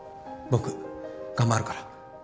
僕頑張るから。